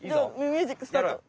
ミュージックスタート！